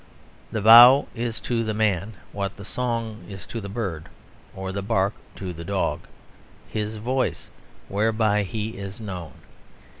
The vow is to the man what the song is to the bird, or the bark to the dog; his voice, whereby he is known.